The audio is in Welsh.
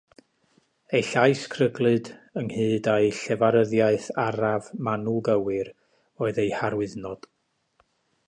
Ei llais cryglyd, ynghyd â'i llefaryddiaeth araf, manwl gywir, oedd ei harwyddnod.